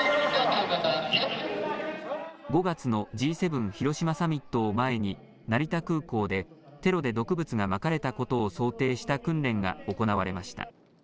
５月のＧ７広島サミットを前に、成田空港でテロで毒物がまかれたことを想定した訓練が行われました。